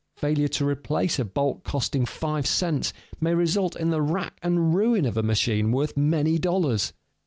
Failure to replace a bolt costing five cents may result in the rack and ruin of a machine worth many dollars.